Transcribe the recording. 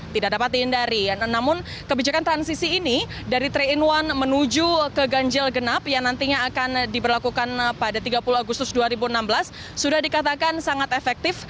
tidak dapat dihindari namun kebijakan transisi ini dari tiga in satu menuju ke ganjil genap yang nantinya akan diberlakukan pada tiga puluh agustus dua ribu enam belas sudah dikatakan sangat efektif